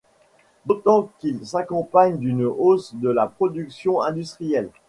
D'autant qu'il s'accompagne d'une hausse de la production industrielle.